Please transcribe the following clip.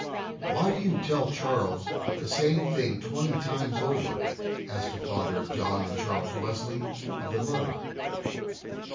"Why do you tell Charles the same thing twenty times over?" asked the father of John and Charles Wesley of the mother.